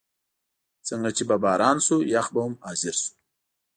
څنګه چې به باران شو، یخ به هم حاضر شو.